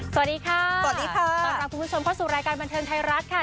สวัสดีค่ะสวัสดีค่ะต้อนรับคุณผู้ชมเข้าสู่รายการบันเทิงไทยรัฐค่ะ